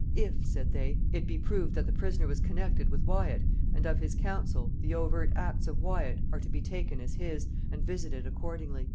"If," said they, "it be proved that the prisoner was connected with Wyat, and of his counsel, the overt acts of Wyat are to be taken as his, and visited accordingly."